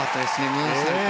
ムーンサルト。